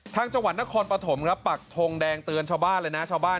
ทางจังหวัดนครปฐมปักทงแดงเตือนชาวบ้านเลยนะ